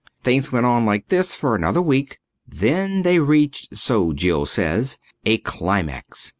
Things went on like this for another week. Then they reached so Jill says a climax.